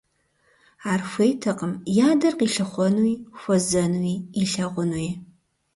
Ар хуейтэкъым и адэр къилъыхъуэнуи, хуэзэнуи, илъэгъунуи.